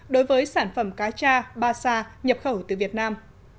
đối với sản phẩm cacha basa nhập khẩu từ việt nam